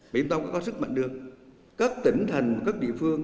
mỹ tông có sức mạnh đưa các tỉnh thành các địa phương